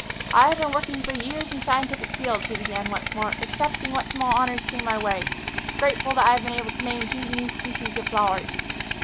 "I have been working for years in scientific fields," he began once more, "accepting what small honors came my way, grateful that I have been able to name two new species of flowers.